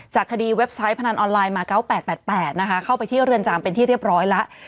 คดีเว็บไซต์พนันออนไลน์มา๙๘๘นะคะเข้าไปที่เรือนจำเป็นที่เรียบร้อยแล้ว